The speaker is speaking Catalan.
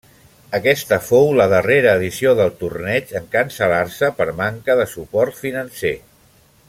Aquesta fou la darrera edició del torneig en cancel·lar-se per manca de suport financer.